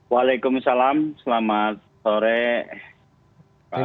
waalaikumsalam selamat sore